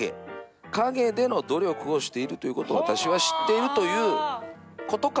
陰での努力をしているということを私は知っているということかもしれませんよね。